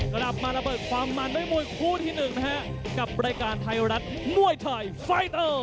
กลับมาระเบิดความมันด้วยมวยคู่ที่หนึ่งนะฮะกับรายการไทยรัฐมวยไทยไฟเตอร์